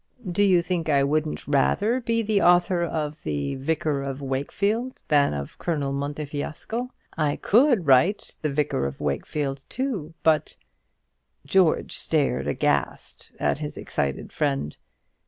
Do you think I wouldn't rather be the author of the 'Vicar of Wakefield' than of 'Colonel Montefiasco?' I could write the 'Vicar of Wakefield,' too, but " George stared aghast at his excited friend.